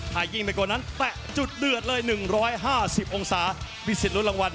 ถ้ายิ่งไปกว่านั้นแตะจุดเดือดเลย๑๕๐องศามีสิทธิรุ้นรางวัล